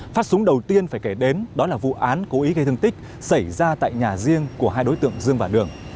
phát súng đầu tiên phải kể đến đó là vụ án cố ý gây thương tích xảy ra tại nhà riêng của hai đối tượng dương và đường